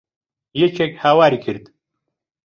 یەکێک هاواری کرد.